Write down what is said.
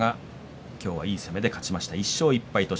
今日はいい攻めで勝ちました。